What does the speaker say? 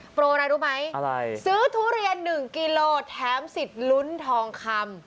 โปรอะไรรู้ไหมอะไรซื้อทุเรียน๑กิโลแถมสิทธิ์ลุ้นทองคำ